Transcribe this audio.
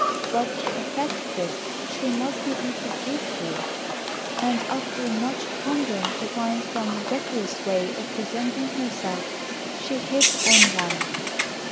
But to effect this, she must be introduced to you; and after much pondering to find some decorous way of presenting herself, she hit on one.